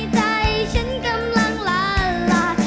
ใจฉันกำลังลาลา